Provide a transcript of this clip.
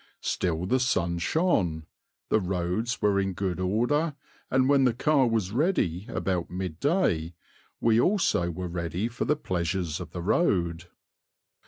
Still the sun shone, the roads were in good order, and when the car was ready about midday, we also were ready for the pleasures of the road.